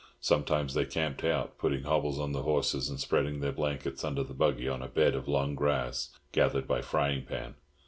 Sometimes they camped out, putting hobbles on the horses, and spreading their blankets under the buggy on a bed of long grass gathered by Frying Pan.